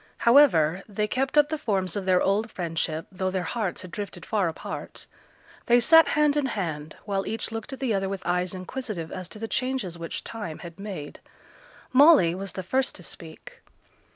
However, they kept up the forms of their old friendship, though their hearts had drifted far apart. They sat hand in hand while each looked at the other with eyes inquisitive as to the changes which time had made. Molly was the first to speak.